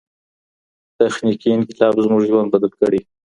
تخنیکي انقلاب زموږ ژوند بدل کړی دی.